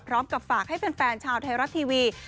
พร้อมกับฝากให้แฟนชาวไทยรัฐทีวี